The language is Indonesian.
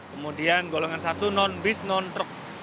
kemudian golongan satu non bis non truk